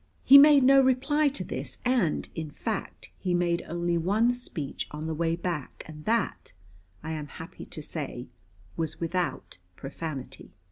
He made no reply to this, and, in fact, he made only one speech on the way back, and that, I am happy to say, was without profanity.